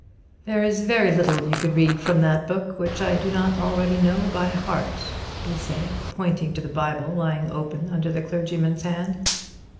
"There is very little you could read from that book which I do not already know by heart," he said, pointing to the Bible lying open under the clergyman's hand.